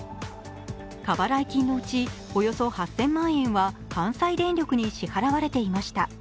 過払い金のうち、およそ８０００万円は関西電力に支払われていました。